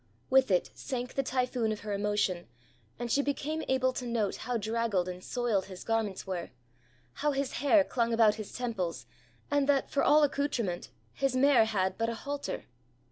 With it sank the typhoon of her emotion, and she became able to note how draggled and soiled his garments were, how his hair clung about his temples, and that for all accoutrement his mare had but a halter.